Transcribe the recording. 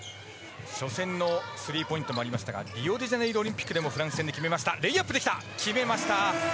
初戦、スリーポイントもありましたがリオデジャネイロオリンピックでも決めました。